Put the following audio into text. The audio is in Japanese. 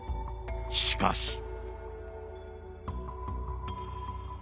しかし。